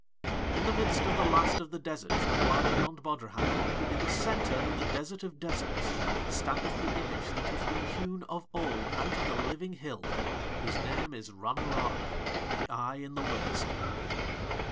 In the midst of the last of the deserts that lie beyond Bodrahan, in the centre of the Desert of Deserts, standeth the image that hath been hewn of old out of the living hill whose name is Ranorada the eye in the waste.